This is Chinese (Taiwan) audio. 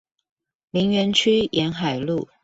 林園區沿海路